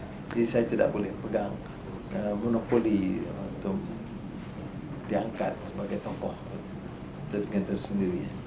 jadi saya tidak boleh pegang monopoli untuk diangkat sebagai tokoh tersebut